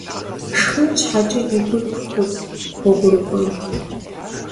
Шхын щхьэкӀэ и гур пыхурт гъуэгурыкӀуэм.